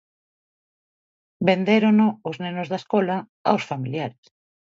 Vendérono os nenos da escola, aos familiares...